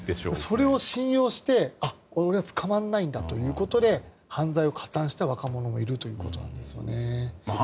それを信用して俺は捕まらないんだということで犯罪に加担した若者もいるということなんですね。